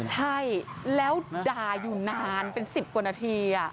ใช่แล้วด่าอยู่นานเป็น๑๐กว่านาที